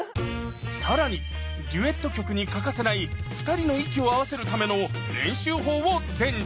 さらにデュエット曲に欠かせない２人の息を合わせるための練習法を伝授！